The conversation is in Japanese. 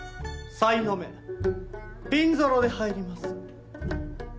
さいの目ピンゾロで入ります。